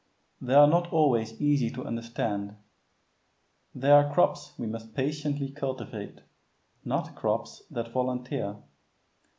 They are not always easy to understand; they are crops we must patiently cultivate, not crops that volunteer.